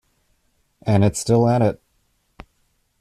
And it's still at it.